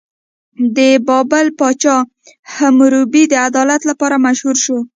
د بابل پاچا حموربي د عدالت لپاره مشهور شو.